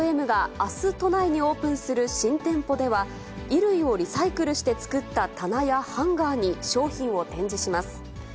Ｈ＆Ｍが、あす都内にオープンする新店舗では、衣類をリサイクルして作った棚やハンガーに商品を展示します。